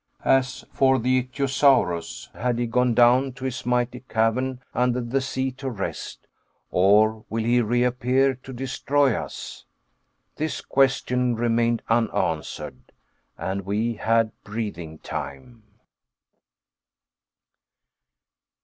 As for the Ichthyosaurus, has he gone down to his mighty cavern under the sea to rest, or will he reappear to destroy us? This question remained unanswered. And we had breathing time.